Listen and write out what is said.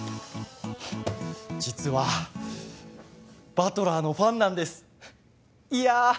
実はバトラーのファンなんですいやあ